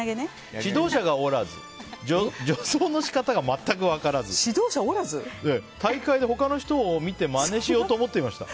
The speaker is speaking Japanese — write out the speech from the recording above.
指導者がおらず助走の仕方が全く分からず大会で他の人を見てまねしようと思っていました。